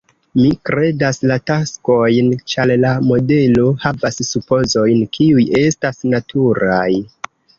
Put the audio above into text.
Mi kredas la taksojn, ĉar la modelo havas supozojn, kiuj estas naturaj.